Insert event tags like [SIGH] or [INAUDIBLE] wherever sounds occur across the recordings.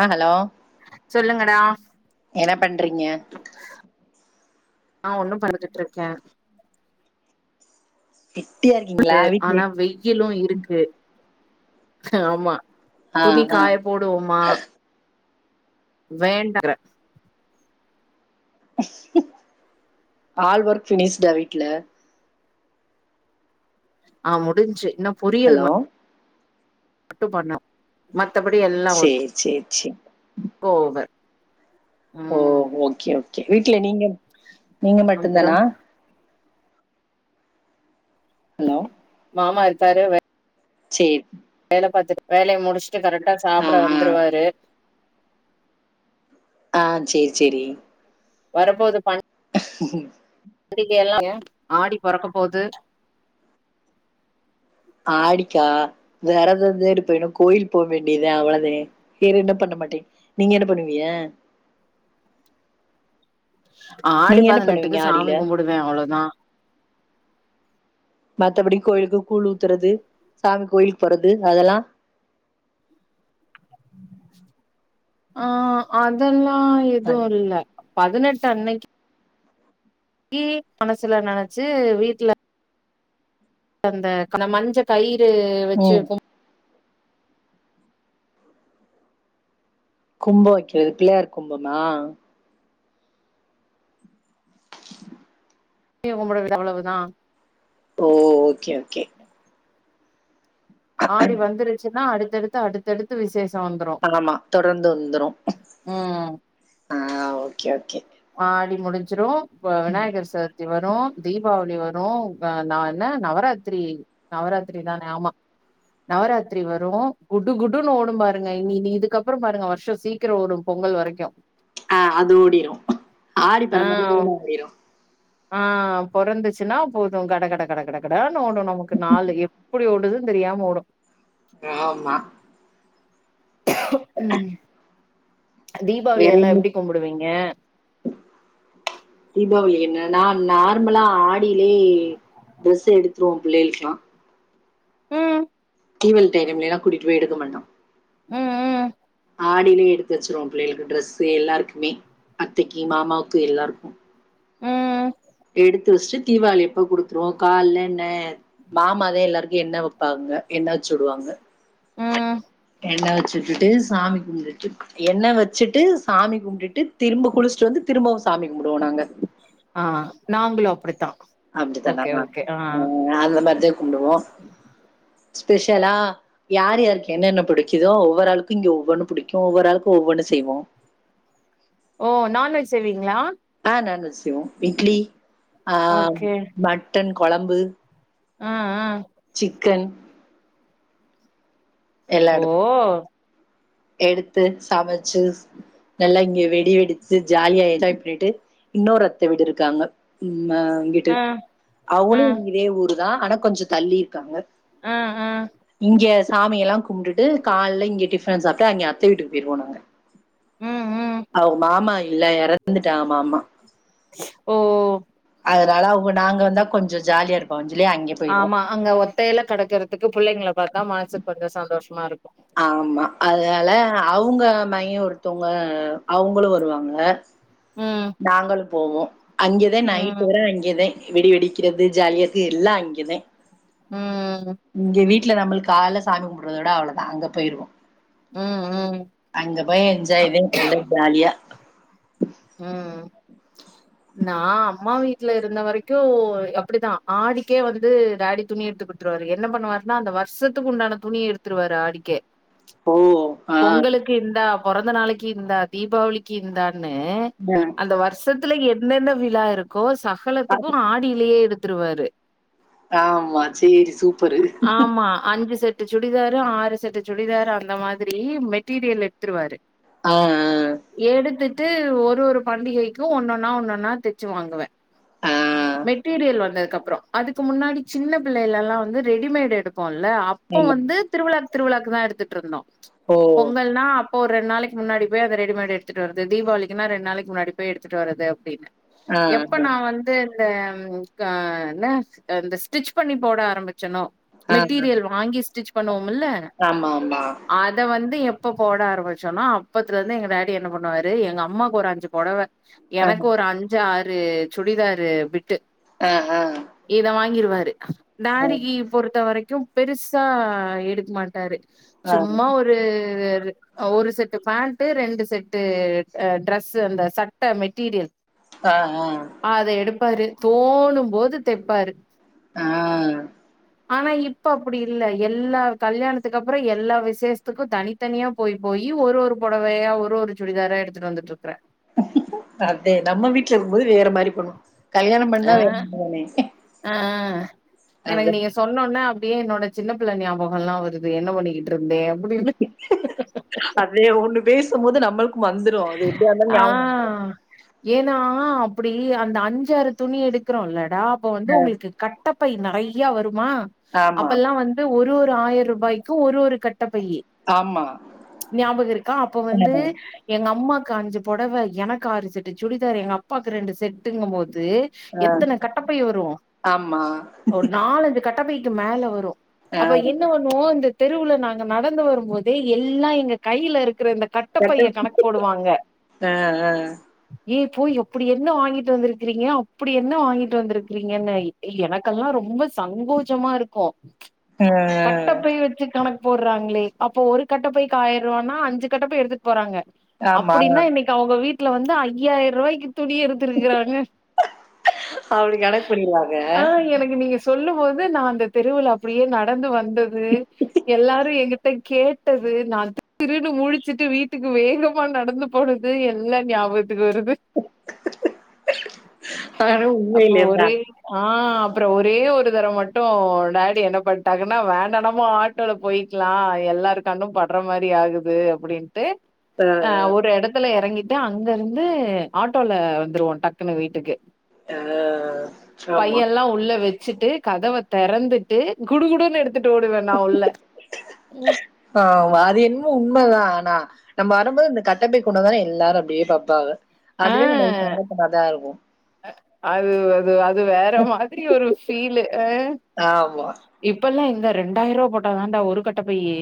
ஆ hello சொல்லுங்கடா என்ன பண்றீங்க நா ஒன்னு படுத்துட்டு இருக்கே பிஸியா இருக்கீங்களா ட்டு வீட்ல ஆனா வெய்யிலு இருக்கு ச்ச ஆமா ஆ துணி ஆ காய போடுவோமா வேண்டா ஹால் ஒர்க் ஃபினிஷ்டா வீட்டுல ஆ முடிஞ்ச்சு இன்னும் ஹலோ மட்டும் பண்ணும் மத் மத்தபடி எல்லா ஒர்க்கு சேரி சேரி சேரி ஓவர் ஓ ம் ஓகே ஓ கேஜவீட்டுல நீங்க எப் நீங்க மட்டும் அப்புறோ தானா ஹலோ மாமா இருக்காறா வே சேரி பாத்துட்டு வேலைய முடிச்சு கரெக்ட்டா ஆ சாப்பட ஆ வந்துருவாரு ஆ சேரி சேரி வரபோது பண் உ பண்டிகை எல்லாம் ஆடி பொறக்க போது ஆடிக்கா வெரதம் தான் இருப்பேன் வேற என்ன கோயில் போ வேண்டியதான் அவ்ளோ வேற என்ன பண்ண மாட்டேன் நீங்க என்ன பண்ணுவிங்க ஆடிப்பதினெட்டுக்கு ஆடியில சாமி கும்பிடுவேன் அவ்வளோதான் மத்தபடி கோயிலுக்கு கூழ் ஊத்துறது சாமி கோயிலுக்கு போறது அதெல்லாம் ஆ அதெல்லாம் ஆ எதுவும் இல்ல பதினெட் டு அன்னைக் கி மனசுல நெனச்சு வீட்டுல அந்த அந்த மஞ்ச கயிற் ரு வச்சு ம் கும் கும்பம் வைக்க பிள்ளையார் கும்பமா மிய கும்படுறது அவ்வளவுதான் ஓ ஓகே ஓகே ஆடி வந்துருச்சுன்னா அடுத் அடுத்து அடுத்தடுத்து விசேஷம் ஆமா தொடர்ந்து வந்துரும் ம் ஆ, ஓகே ஓகே ஆடி முடிஞ்சிரும் இப்பௌ விநாயகர் சதூர் இது வரு தீபாவளி வரு ஆ ந என்ன நவராத்திரி நவராத்திரி தான ஆமா நவராத்திரி வரு குடு குடுன்னு ஓடும் பாருங்க இ நீ இதுக்கு அப்பறோம் பாருங்க வருஷோ சீக்கிர ஓடு பொங்கல் வரைக்கு ஆ அது ஓடிரு ஆடி ஆ பெறந்தன்னைக்கு வெயில்லா போயிரு ஆ பொறந்துச்சுன்னா போது கட கட கட கட கட... சட்டுனு ஓடு நமக்கு நாலு எப்டி ஓடுதுன்னு தெரியாம ஓடு ஆமா உம் வேற தீபாவளிய எல்லா என்ன? எப்டி கும்பிடுவீங்க.. நா நார்மலா ஆடியிலேயே ட்ரெஸ் எடுத்துருவோ பிள்ளைகளுக்லா உம்......... தீபாளி டைம் இல்லலைல்லாம் கூட்டிட்டு போய்டு எடுக்க மாட்டோ ம் ம் ஆடிலேயே எடுத்து வச்சுருவோ பிள்ளைகளுக்கு ட்ரெஸ்ஸு எல்லாருக்குமே அத்தைக்கு மாமாவுக்கு எல்லாருக்கு ம் எடுத்து வஸ்டு தீபாவளி அப்ப குடுத்துருவோ கால்ல நெ.. மாமதா எல்லாருக்கு எண்ண வைவப்பாங்க என்ன வச்சு விடுவாங்க. ம். எண்ணெ வச்சுட்டுட்டு சாமி கும்டுட்டு எண்ணெ வச்சுட்டு சாமி கும்டுட்டு திரும்ப குளிச்சுட்டு வந்து திரும்பவு சாமி கும்டுவோ நாங்க ஆ நாங்களு அப்டித்தா ஓகே அப்டித்தான்டாமா ஓகே ஆ ஆ அந்த மாரி தா கும்டுவோ ஸ்பெஷலா யார் யாருக்கு என்னென்ன புடிக்குதோ ஒவ்வொரு ஆளுக்கு இங்க ஒவ்வொன்னு புடிக்கு ஒவ்வொரு ஆளுக்கு ஒவ்வொன்னு செய்வோ ஓ நான்வெஜ் செய்வீங்ளா. ஆ நான்வெஜ் செய்வோ இட்லி ஆ ஓகே மட்டன் கொழம்பு. ஆ ஆ.. கன். ஓ எல்லாடும் எடுத்து சமச்சு நல்லா இங்க வெடி வெடிச்சு ஜாலியா என்ஜாய் பண்ணிட்டு இன்னோரு அத்த வீடு இருக்காங்க மா இங்கிட்டு ஆ ஆ அவுங்களு இதே ஊரு. தா ஆனா கொஞ்சோ தள்ளி இருக்காங்க. ஆ ஆ சாமியெல்லா கும்டுட்டு காலேல இங்க டிபன சாப்டு அங்க அத்த வீட்டுக்கு போய்ருவோ நாங்க ம் ம் அவுங்க மாமா இல்ல ஏறந்துட்டாங்க மாமா. ஸ் ஓ ஓ ஓ அதனால அவுங்க நாங்க வந்தா கொஞ்ச ஜாலியா இருப்பாங்க ஆமா அங்க ஒத்தையில கிடக்கறதுக்கு புள்ளைங்கள பாத்தா மனசுக்கு கொஞ்சம் சந்தோஷோ மாருக்கு ஆமா அதனால அவுங்களு வருவாங்க ம் நாங்களு போவோ அங்கேத நைட்டு் ம் வர அங்கேத வெடி வெடிக்கிறது ஜாலியாக்கு எல்லா அங்கேத ம் வீட்ல நம்ளுக்கு கால சாமி கும்பிறதோட அவ்ளோதா அங்க போய்ருவோ ம் ம் அங்க போய் என்ஜாய்தே நல்ல ஜாலியா ம் நா அம்மா வீட்லருந்த வெரைக்கு அப்டித்தா ஆடிக்கே வந்து டாடி துணி எடுத்துக்குடுத்துருவாரு என்ன பண்ணுவாருன்னா அந்த வருஷத்துக்கு உண்டான துணி எடுத்துருவாரு ஆடிக்கே ஓ ஆஹ் பொங்கலுக்கு இந்தா பொறந்த நாளிக்கு இந்தா தீபாவளிக்கு இந்தானு அ அந்த வருஷத் த்ததுல என்னன்ன விழா இருக்கோ சட் பக்கலத்துக்கு ஆடியிலே எடுத் த்ருவாரு ஆமா செரி சூப்பரு ட்டு சுடிதாரு ஆறு செட்டு சுடிதாரு அந்த மாதிரி மெட்டீரியல் எடுத்துருவாரு ஆ, எடுத்து ட்டு ஒரு ஒரு பண்டிகைக்கு ஒன்னொன்னா ஒன்னொன்னா தெச்சு வாங்குவே ஆ, ஆ. மெட்டீரியல் வந்த கப்றோ அதுக்கு முன்னாடி சின்ன பிள்ளைலலா வந்து ரெடிமேடு் எடுப் போன்ல அப்போ ஆமா. வந்து திருவிழா திருவிளாக்கு தா எடுத்துட்ருந்தோ ஓ! பொங்கல்னா ஒரு ரெண்ட் நாளிக்கு முன்னாடி போய் அந்த ரெடிமேட் எடுத்துட்டு வரு இந்த தீபாவளிக்குனா ரெண் நாளிக்கு முன்னாடி போய் எடுத்துட்டு வருது அப்டினு ஆ, எப்ப ஆ, நா வந்து இந்த க ன இந்த ஸ்டிச் பண்ணி போட ஆரம்பிச் ச்சனோ ஆ, ஆ. மெட்டீரியல் வாங்கி ஸ்டிச் பணோ இல்ல ஆமா, ஆமா. அத வந்து எப் ப்ப போட ஆரம்பிச்சோனா அப்பத்துலருந்து எங்க டாடி என்ன பண் னாரு எங்க அம்மாக்கு ஒரு அஞ்சு பொடவ ஆ, எனக்கு ஒரு அஞ்சு ஆறு ஒரு சுடிதாரு பிட்டு ஆ ஆ கிருவாரு நாரிகி பொறுத்த வரைக் கும் பெருசா எடுக்க மாட்டாரு சும்மா ஒரு ஒரு செட்டு பேண்ட்டு ரெண்டு செட் டு ட்ரெஸ் அந்த சட்ட மெட்டீரியல் ஆ, ஆ, ஆ, ஆ அத எடுப்பாரு தோணும் போது தெப்பாரு ஆ ஆனா இப்ப அப்டி இல்ல எல்லா கல்யாணத்துக்கும் அப்புறம் எல்லா விசேஷத்துக்கும் தனித்தனியா போய் போய் ஒரு ஒரு புடவையா ஒரு ஒரு சுடிதாரா எடுத்துட்டு வந்துட்டு இருக்குறேன் அதே நம்ம வீட்ல இருக்கும்போது வேற மாரி பண்வோம் கல்யாணம் பண்ணா ஆ வேறதானே ஆ எனக்கு நீங்க சொன்ன ஓன்ன இப்டியே என்னோட சின்ன பிள்ள ஞாபகல்லாம் வருது என்ன பண்ணிக்கி ட்ருந்தேன் அப்டின்னு அதே ஒண்ணு பேசும்போது நம்மளுக் கும் வந்துரும் அது எப்டியா இருந்தாலும் ஆ. ஞாபக வந்துரும் அப்டி அந்த அஞ்சுாறு துணி எடுக்குறோல்ல நா அப்ப வந்து அ, உங்களுக்கு கட்டப் பை நெறையா வரும் மா ஆமா, அப்பெல்லாம் வந்து ஒரு ஒரு ஆயிர ரூபாய்க்கும் ஒருஸஒரு கட் டப்பையி ஆமா. ஞாபகம் இருக்கா அப்ப அ, வந்து எங்க அம்மாக்கு அஞ்சு பொடவ எனக்கு ஆறு செட்டு சுடிதார் எங்க அப்பாக்கு ரெண்டு செட்டுங்க போ து அ, எத்தன கட்டப்பை வரும் ஆமா. ஒரு நாலஞ்சு கட்டப்பை க்கு மேல வரு ஆ. அப்ப என்ன பண்ணுவோ இந்த தெருவுல நாங்க நடந்து வரும்போதே எல்லா எங்க கையிலரு க்குற இந்த அ, கட்டப்பைய கணக் போடுவாங்க ஈ போய் அப்புடி என்ன வாங்கிட்டு வந்துருக்கிறீங்க அப்புடி என்ன வாங்கிட்டு வந்துருக்றீங்கன்னு எனக்கெல்லா ரொம்ப சங்கூஜமா இருக்கு அ, அ, கட்டப்பை வச்சு கணக் போர்றாங்ளே அப்ப ஒரு கட்ட பைக்கு ஆயரூவான்னா அஞ்சு கட்ட பை எடுத்துட் போறாங்க ஆமா. அப்புடினனா இன்னைக்கி அவுங்க வீட் ல வந்து ஐயாயருவாய்க்கு துணி எடுத்துருக்குறாங்க அப்படி கணக்கு பண்ணிருவாங்க ஆ எனக்கு நீங்க சொல்லும்போது நா அந்த தெருவுல‌ அப்டியே நடந்து வந் தது எல்லாரு எங்க ட்ட கேட்டது நா திருதிருனு முழிச்சுட்டு வீட்டுக்கு வேக மா நடந்து போனது எல்லா ஞாபக த்துக்கு வருது ஆனா அப்ப ஒரே உண்மையிலேதான் ஆ அப்றொ ஒரே ஒரு தரவ் மட்டு டாடி என்ன பண்ட்டாங்கன்னா வேணா நம்ம ஆட்டோல போயிக்லா எல்லாரு கண்ணு பட்ற மாரி ஆகுது அப்டின்ட்டு அ ஆ ஒரு எடத்துல எறங்கி ட்டு அங்கருந்து ஆட்டோல வந்துருவோ டக்குனு வீட்டுக்கு ஆ சாமா ச்சுட்டு கதவ தெறந்துட்டு குடு குடுன் எடு ஆ‌மா அது என்மோ உண்மதா ஆனா நம்ம வரும்போது இந்த கட்டப்பை கொண்டாந்தானோ எல்லாரு அப்டியே பாப்பாக ஆ அது அது அது வேற மாதிரி ஒரு ஃபீலு அ ஆமா இப்பல்லா இந்த ரெண்டாயருவா போட்ட தான்டா ஒரு கட்ட பையி.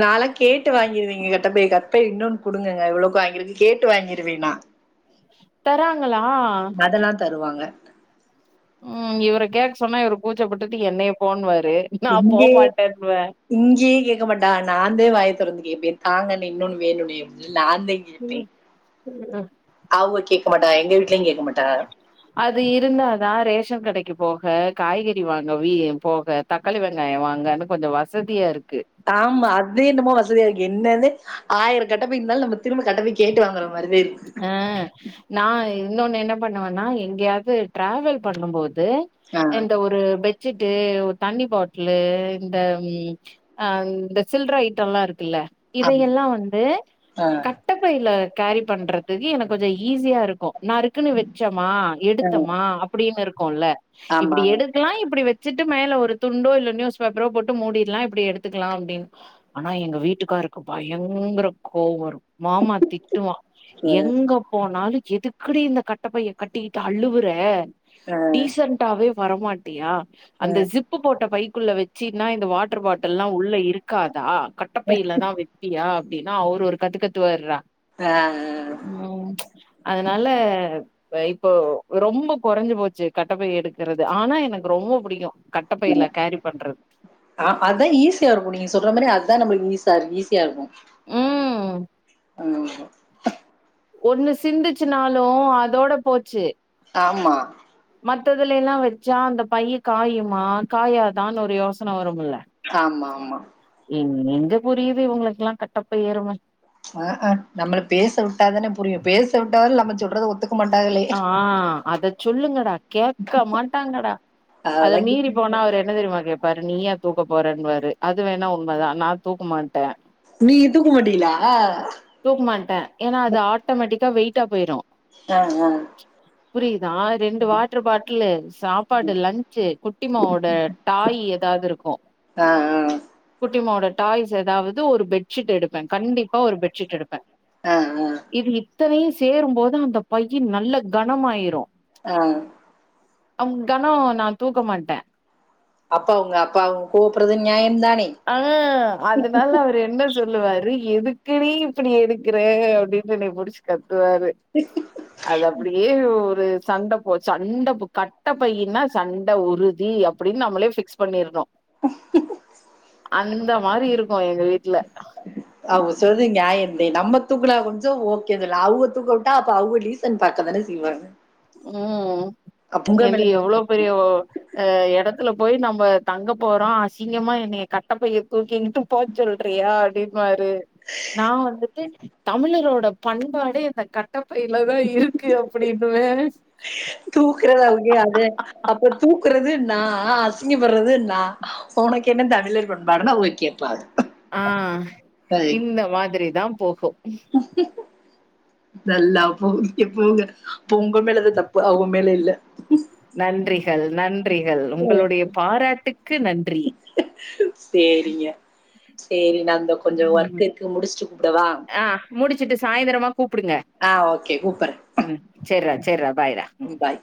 நாலா‌ கேட்டு வாங்கிருவேங்க கட்டப்பை கட்பை இன்னொன் குடுங்கங்க இவ்ளோக்கு வாங்கிருக்கு கேட்டு வாங்கிருவே நா தராங் அதெல்லா தருவாங்க ம் இவர கேக் சொன்னா இவரு கூச்சப்பட்டுட்டு என்னய போன்னுவா இங்கேயே இங்கேயே கேக்க மாட்டாக நாந்தே வாய தொறந்து கேப்பே தாங்கல்லே இன்னொன்னு வேணுமே நாந்தா கேப்பே ம் ம். அவுக கேக் மாட்டா எங்க வீட்லயு அது இருந்தாதா ரேஷன் கடைக்கு போக காய்கறி வாங்க வீ போக தக்காளி வெங்காய வாங்கன்னு கொஞ்ச வசதியா இருக்கு ஆமா அது என்னமோ வச திக்கு என்ன ஆயிர கட்டப் பைய் இருந்தாலு நம்ம திரும்ப கட்ட பைய் கேட்டு வாங்குறோ அ நா இ இன்னொன்னு என்ன பண்ணுவன்னா எங்கேயாவது டிராவல் பண்ணும் போது ஆ இது ஏன்ட்ட ஒரு பெட் வச்சுட்டு தண்ணி பாட்டிலு இந்த இந்த சில்ற ஐட்டம்ல்லா இருக்குல்ல ஆமா இதையெல்லா வந்து ஆ கட்டப்பையில காரி பண்றதுக்கு எனக்கு கொஞ்ச ஈஸியா இருக்கு நருக்குன்னு வச்சமா ஆ எடுத்தமா அப்டின்னு இரு க்குல்ல ஆமா இப்டி எடுக்கலா இப்டி வெ வச்சுட்டு மேல ஒரு துண்டோ இல்ல நியூஸ் பேப்பரோ போட்டு மூடிடலா இப்டி எடுத்துக்கலா அப்டின்னு ஆனா எங்க வீட்டுக்காருக்கு பயங்கர கோவோ மாமா திட்டுவா அ எங்க போனாலு எதுக்குடி இந்த கட்ட பைய கட்டிக்கிட்டு அழுவுற ஆ டீசன்டாவே வரமாட்டியா ஆ அந்த ஜிப்பு போட்ட பை குள்ள வச்சீன்னா இந்த வாட்டர் பாட்டில் எல்லா உள்ள இருக்காதா கட்டப்பையில தா வெப்பியா அப்டின்னு அவரு ஒரு கத்துக்கத்து வார்றா ஆ உம் அதனால இப்போ ரொம்ப கொறஞ்சு போச்சு கட்ட பைய் எடுக்குறது ஆனா எனக்கு ரொம்ப புடிக்கு கட்டப்பையில கேரி பண்றது ஆ ஆ அதா ஈஸியா இருக்கு நீங்க சொல்ற மாதிரி அது ஆதா நம்மளுக்கு ஈஸார் ஈஸியா இருக்கு ம் ஆ ஒண்ணு சிந்திச்சுனாலு அதோட போச்சு ஆமா மத்ததுல எல்லா வச்சா அந்த பைய காயுமா காயாதான்னு ஒரு யோசன வரும்முல ஆமா ஆமா எங்க புரியுது இவுங்களுக்குக்கெல்லா கட்டப்பை அரும ஆ அ நம்ம பேச விட்டாதானே புரியு பேச விட்டாத நம்ம சொல்றத ஒத்து ஆ அத சொல்லுங்கடா கேட்க மாட்டாங்கடா அத அதெல்லா மீறி போனா அவர் என்ன தெரியுமா கேப் பாரு நீயா தூக்க போறேன்னவாரு அது வேணா உண்மைதா நா தூக்கமாட்டே நீங்க தூக்க மாட்டிலா ட்டா வெய்டா போயிரு அ அ புரியிது நா ரெண்டு வாட்டர் பாட்லு சாப்பாடு லன்சு குட்டிமாவோட டாய் ஏதாவது இருக்கு ஆ ஆ ஆ குட்டிமாவோட டாய்ஸ் ஏதாவது ஒரு பெட்ஷீட் எடுப்பே கண்டிப்பா ஒரு பெட்ஷீட் எடுப்பே ஆ ஆ ப்ப இது இத்தனையு சேரும்போது அந்த பை கி நல்ல கனமாயிரு ஆ அவங் கணோ நா தூக்க மாட்டே அப்பா அவங்க அப்பா அவங்க கோப்புறது நியாயம்தான் ஆ அதனால அவரு என்ன சொல்லுவாரு எதுக்குனீ இப்டி எடுக்குற அப்டின்னு என்ன புடிச்சுக்கத் துவாரு அது அப்புடியே உ து சண்ட போ சண்ட கட்ட பையன்னா சண்ட உறுதி அப்படின்னு நம்மளே பிக்ஸ் பண்ணிருணு [UNINTELLIGIBLE] மாறி இருக்கு கு எங்க வீட்டுல அவங்க சொல்றது நியாயம்தே நம்ம தூக்கலா கொஞ்சோ ஓகேல்ல அவங்க தூக்க விட்டா அப்ப அவங்க டீசன் பாக்கதானே செய்வாங்க ம் அப்ப உங்க எந்து மேல தானே எவ்வளோ தப்பு. பெரிய அ எடத்துல போய் நம் ப தங்க போறோ அசிங்கமா என்னய கட்டப்பைய தூக்கி போ சொல்றியா அப்டின்வாரு நா வந்துட்டு தமிழரோட பண்பாடு இந்த கட் டப்பை இலதா இருக்கு அப் அப்டி இப்பவே தூக்கற இல்ல அதுக்கே அது அப்ப தூக்கறது நா அசிங்கப்படுறது நா ஒனக்கு என்ன தமிழர் பண்பாடுன்னு அவுக கேப்பாக ஆ இந்த மாதிரி தா போ [UNINTELLIGIBLE] நல்ல அப்போ கேப்பாங்க உங்க மேலதா தப்பு அவுங்க மேல இல்ல நன்றிகள் நன்றிகள் உங்களுடைய பாராட்டு சேரிங்க சேரி நா அங்க கொஞ்சம் ஒர்க் ம். இருக்கு முடிச்சிட்டு கூப்படவா ச்சிட்டு சாயந்திரமா கூப்புடுங்க கூப்பிடுறேன் ம் செரா செரா பாய்டா பாய்